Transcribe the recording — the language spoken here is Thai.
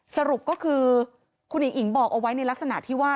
สรุปก็คือคุณอิ๋งอิ๋งบอกเอาไว้ในลักษณะที่ว่า